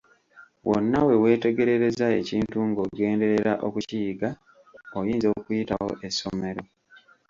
Wonna we weetegerereza ekintu ng'ogenderera okukiyiga, oyinza okuyitawo essomero.